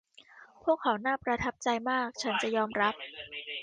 พวกเขาน่าประทับใจมาก ฉันจะยอมรับ